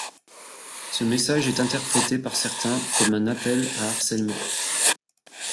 Ce message est interprété par certains comme un appel à harcèlement.